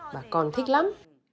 và con thích lắm